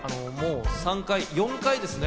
３回、４回ですね。